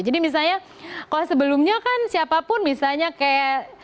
jadi misalnya kalau sebelumnya kan siapapun misalnya kayak